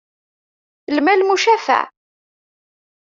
Lmal, mucafaɛ.